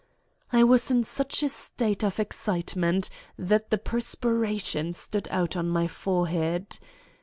_" I was in such a state of excitement that the perspiration stood out on my forehead.